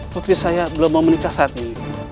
putri saya belum mau menikah saat ini